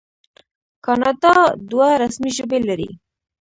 کاناډا دوه رسمي ژبې لري.